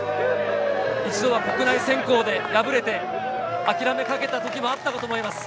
一度は国内選考で敗れて、諦めかけた時もあったかと思います。